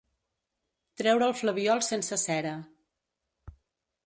Treure el flabiol sense cera.